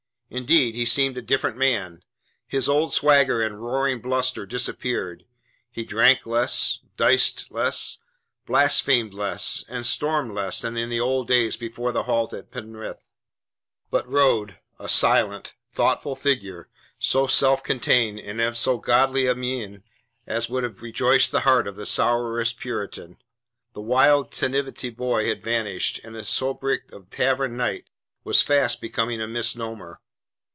Indeed he seemed a different man. His old swagger and roaring bluster disappeared; he drank less, diced less, blasphemed less, and stormed less than in the old days before the halt at Penrith; but rode, a silent, thoughtful figure, so self contained and of so godly a mien as would have rejoiced the heart of the sourest Puritan. The wild tantivy boy had vanished, and the sobriquet of "Tavern Knight" was fast becoming a misnomer.